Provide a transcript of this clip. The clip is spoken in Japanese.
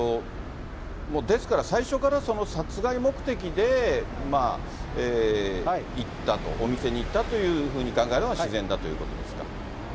ですから、最初から殺害目的で行ったと、お店に行ったというふうに考えるのが自然だということですか？